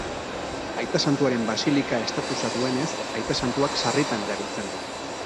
Aita Santuaren basilika estatusa duenez Aita Santuak sarritan erabiltzen du.